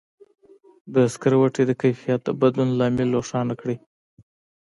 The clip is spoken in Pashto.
د سکروټي د کیفیت د بدلون لامل روښانه کړئ.